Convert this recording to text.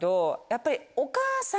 やっぱり。